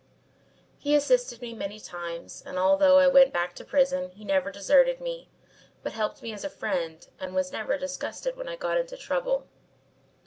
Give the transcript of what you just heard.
"He assisted me many times, and although I went back to prison, he never deserted me, but helped me as a friend and was never disgusted when I got into trouble.